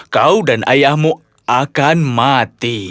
kau dan ayahmu akan mati